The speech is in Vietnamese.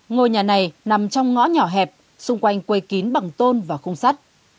ngôi nhà này nằm trong ngõ nhỏ hẹp xung quanh quây kín bằng tôn và khung sắt